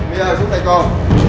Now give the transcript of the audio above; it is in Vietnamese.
vi ơi xuống thầy con